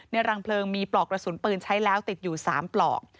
รังเพลิงมีปลอกกระสุนปืนใช้แล้วติดอยู่๓ปลอก